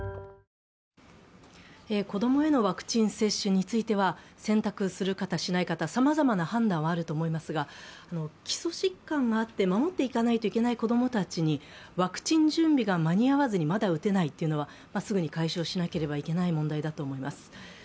子供へのワクチン接種については、選択する方、しない方、さまざまな判断はあると思いますが、基礎疾患があって、守っていかなきゃいけない子供たちにワクチン準備が間に合わずに、まだ打てないというのはすぐに解消しなければいけない問題だと思います。